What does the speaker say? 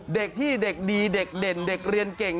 เด็กที่เด็กดีเด็กเด่นเด็กเรียนเก่ง